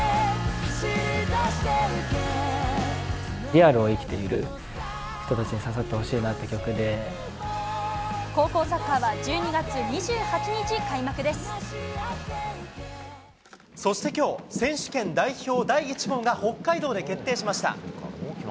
リアルを生きている人たちに高校サッカーは１２月２８日そしてきょう、選手権代表第１号が北海道で決定しました。